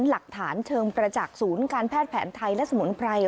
หลักฐานเชิงประจักษ์ศูนย์การแพทย์แผนไทยและสมุนไพร